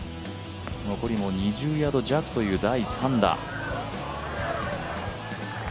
残り２０ヤード弱という第３打。